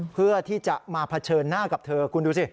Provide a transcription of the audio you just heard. เพื่อที่จะมาเผชิญหน้ากับเธอคุณดูสิ